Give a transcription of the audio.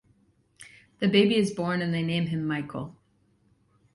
The baby is born and they name him Michael.